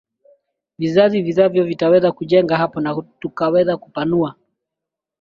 vizazi vizavyo vitaweza kujenga hapo na tukaweza kupanua